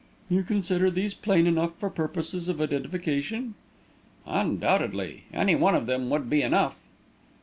"You consider these plain enough for purposes of identification?" "Undoubtedly. Any one of them would be enough."